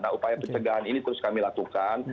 nah upaya pencegahan ini terus kami lakukan